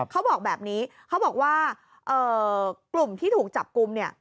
เขาบอกแบบนี้เขาบอกว่ากลุ่มที่ถูกจับกลุ่มเนี่ย